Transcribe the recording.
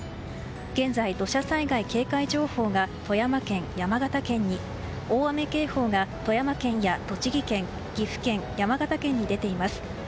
現在、土砂災害警戒情報が富山県、山形県に大雨警報が富山県や栃木県岐阜県、山形県に出ています。